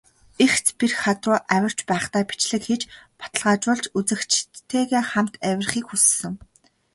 Эгц бэрх хад руу авирч байхдаа бичлэг хийж, баталгаажуулж, үзэгчидтэйгээ хамт авирахыг хүссэн.